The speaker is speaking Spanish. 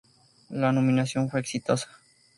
La nominación fue exitosa.